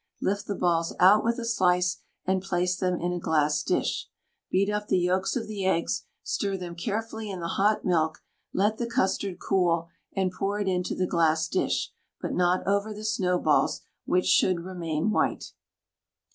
Lift the balls out with a slice, and place them in a glass dish. Beat up the yolks of the eggs, stir them carefully in the hot milk; let the custard cool, and pour it into the glass dish, but not over the snowballs, which should remain white.